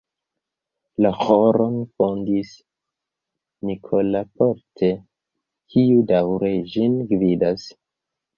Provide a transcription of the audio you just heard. La ĥoron fondis "Nicolas Porte", kiu daŭre ĝin gvidas.